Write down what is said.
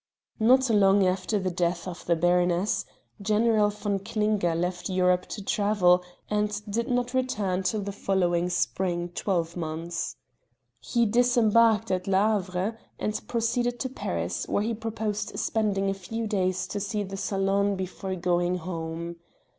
Not long after the death of the baroness, General von Klinger left Europe to travel, and did not return till the following spring twelvemonths. He disembarked at Havre and proceeded to Paris, where he proposed spending a few days to see the Salon before going home.